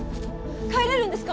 帰れるんですか？